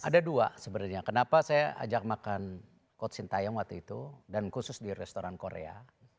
ada dua sebenarnya kenapa saya ajak makan coach sintayong waktu itu dan khusus di restoran korea